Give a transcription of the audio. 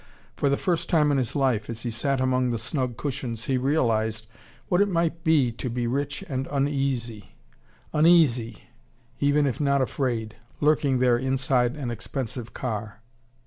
For the first time in his life, as he sat among the snug cushions, he realised what it might be to be rich and uneasy: uneasy, even if not afraid, lurking there inside an expensive car.